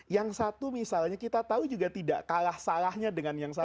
yang satu misalnya kita tahu juga tidak kalah salahnya dengan yang sama